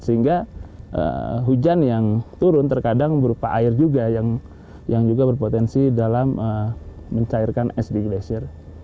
sehingga hujan yang turun terkadang berupa air juga yang juga berpotensi dalam mencairkan es di glasir